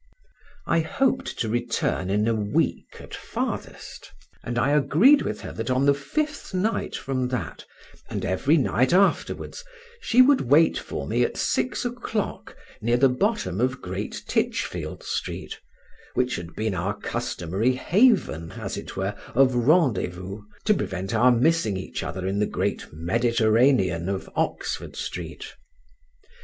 I hoped to return in a week at farthest, and I agreed with her that on the fifth night from that, and every night afterwards, she would wait for me at six o'clock near the bottom of Great Titchfield Street, which had been our customary haven, as it were, of rendezvous, to prevent our missing each other in the great Mediterranean of Oxford Street.